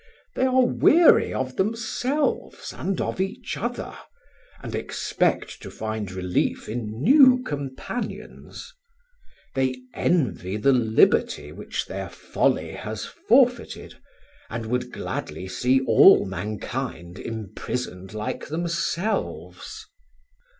They are weary of themselves and of each other, and expect to find relief in new companions. They envy the liberty which their folly has forfeited, and would gladly see all mankind imprisoned like themselves.